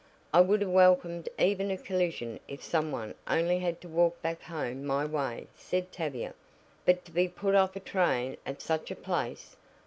"I would have welcomed even a collision if some one only had to walk back home my way," said Tavia. "But to be put off a train at such a place!